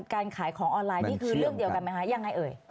การขายของออนไลน์นี่คือเรื่องเดียวกันไหมคะยังไงเอ่ย